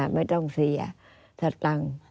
ไม่ต้องเสียสตังค์